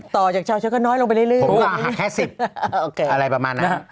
ต่อจากเช้าก็น้อยลงไปเรื่อยพูดว่าแค่๑๐อะไรประมาณนั้น